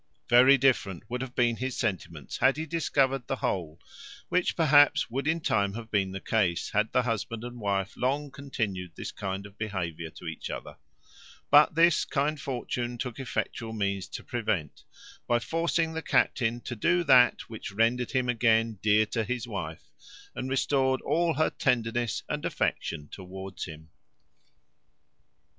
Very different would have been his sentiments had he discovered the whole; which perhaps would in time have been the case, had the husband and wife long continued this kind of behaviour to each other; but this kind Fortune took effectual means to prevent, by forcing the captain to do that which rendered him again dear to his wife, and restored all her tenderness and affection towards him.